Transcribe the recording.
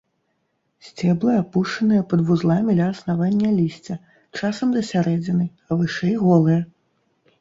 Сцеблы апушаныя пад вузламі ля аснавання лісця, часам да сярэдзіны, а вышэй голыя.